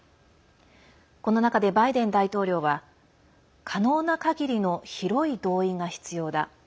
この中でバイデン大統領は可能なかぎりの広い同意が必要だ。